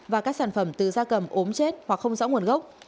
và các sản phẩm từ da cầm ốm chết hoặc không rõ nguồn gốc